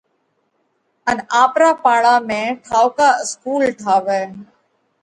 ان آپرا پاڙا ۾ ٺائُوڪا اِسڪُول ٺاوئہ۔